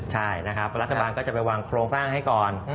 ใช่นะครับรัฐบาลก็จะไปวางโครงสร้างให้ก่อน